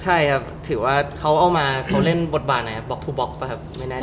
ใช่ครับถือว่าเขาเอามาเขาเล่นบทบาทไหนบล็อกทูบล็อกป่ะครับไม่น่าใจ